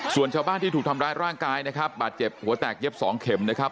ส่วนชาวบ้านที่ถูกทำร้ายร่างกายนะครับบาดเจ็บหัวแตกเย็บสองเข็มนะครับ